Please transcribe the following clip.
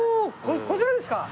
こちらですか？